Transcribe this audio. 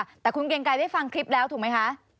แต่คุณเกรงไกรได้ฟังคลิปแล้วถูกไหมคะ